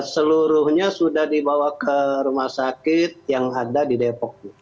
seluruhnya sudah dibawa ke rumah sakit yang ada di depok